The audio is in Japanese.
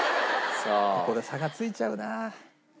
ここで差がついちゃうな。